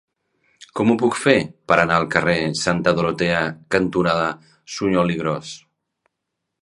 Com ho puc fer per anar al carrer Santa Dorotea cantonada Suñol i Gros?